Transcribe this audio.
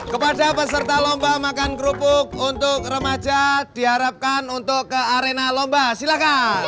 kepada peserta lomba makan kerupuk untuk remaja diharapkan untuk ke arena lomba silakan